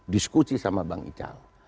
diskusi sama bang ical